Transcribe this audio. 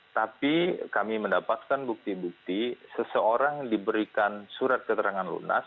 tapi kami mendapatkan bukti bukti seseorang diberikan surat keterangan lunas